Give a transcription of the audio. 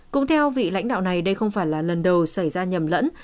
cũng theo vị lãnh đạo này đây không phải là lần đầu xảy ra nhầm lẫn